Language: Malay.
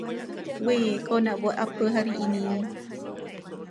Wei kau nak buat apa hari ini.